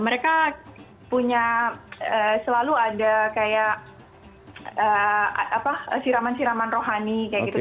mereka punya selalu ada kayak apa siraman siraman rohani kayak gitu